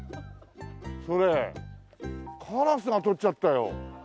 それカラスが取っちゃったよ。